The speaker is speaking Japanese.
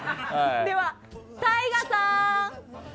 では、ＴＡＩＧＡさん！